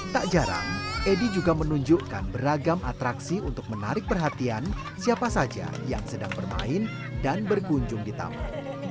tak jarang edi juga menunjukkan beragam atraksi untuk menarik perhatian siapa saja yang sedang bermain dan berkunjung di taman